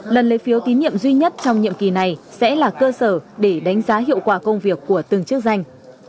lần lấy phiếu tín nhiệm duy nhất trong nhiệm kỳ này sẽ là cơ sở để đánh giá hiệu quả công việc của từng chức danh